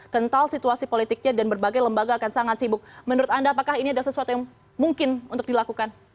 kalau saya teriak pak prabowo kita tandikan